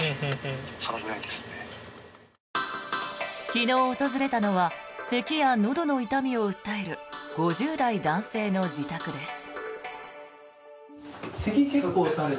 昨日訪れたのはせきやのどの痛みを訴える５０代男性の自宅です。